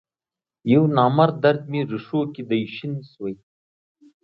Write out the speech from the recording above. یونامرد درد می رېښوکې دی شین شوی